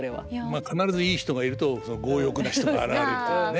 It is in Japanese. まあ必ずいい人がいると強欲な人が現れるというね。